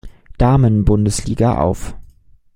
Damenbundesliga auf.